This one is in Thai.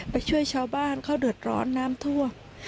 ไปช่วยชาวบ้านเขาเดือดร้อนน้ำท่วม